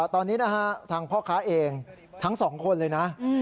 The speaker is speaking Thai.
ทางพ่อค้าเองทั้งสองคนเลยนะ